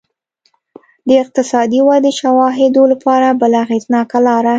د اقتصادي ودې شواهدو لپاره بله اغېزناکه لار